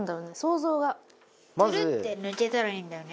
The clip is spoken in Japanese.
ツルッてむけたらいいんだよね。